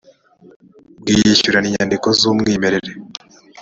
bw iyishyurana inyandiko z umwimerere